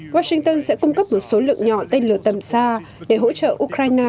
washington sẽ cung cấp một số lượng nhỏ tên lửa tầm xa để hỗ trợ ukraine